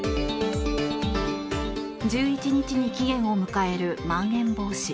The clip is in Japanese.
１１日に期限を迎えるまん延防止。